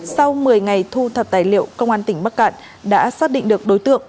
sau một mươi ngày thu thập tài liệu công an tỉnh bắc cạn đã xác định được đối tượng